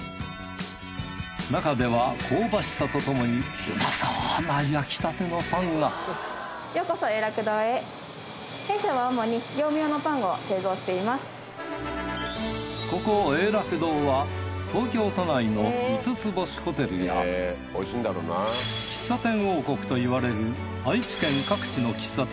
中では香ばしさとともに美味そうな焼きたてのパンがここ永楽堂は東京都内の五つ星ホテルや喫茶店王国と言われる愛知県各地の喫茶店